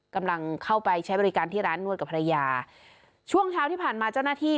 กำลังเข้าไปใช้บริการที่ร้านนวดกับภรรยาช่วงเช้าที่ผ่านมาเจ้าหน้าที่